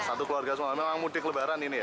satu keluarga semua memang mudik lebaran ini ya